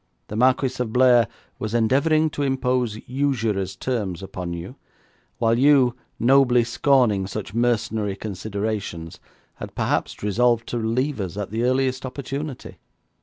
'The Marquis of Blair was endeavouring to impose usurer's terms upon you, while you, nobly scorning such mercenary considerations, had perhaps resolved to leave us at the earliest opportunity.'